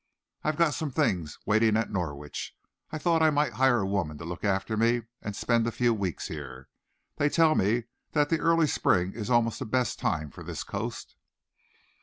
I've got some things waiting at Norwich. I thought I might hire a woman to look after me and spend a few weeks here. They tell me that the early spring is almost the best time for this coast."